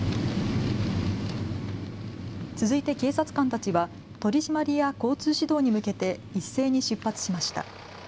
続いて警察官たちは取締りや交通指導に向けて一斉に出発しました。